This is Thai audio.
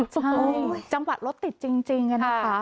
ใช่จังหวะรถติดจริงนะคะ